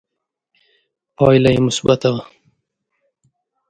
پایله یې مثبته وه